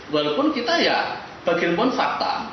walaupun kita ya bagian pun fakta